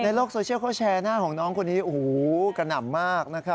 ในโลกโซเชียลเขาแชร์หน้าของน้องคนนี้กระหน่ำมากนะครับ